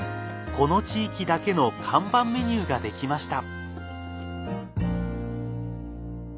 この地域だけの看板メニューができました。